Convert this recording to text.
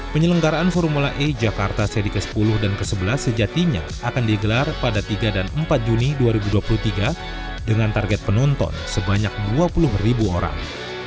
penyelenggaraan formula e jakarta seri ke sepuluh dan ke sebelas sejatinya akan digelar pada tiga dan empat juni dua ribu dua puluh tiga dengan target penonton sebanyak dua puluh ribu orang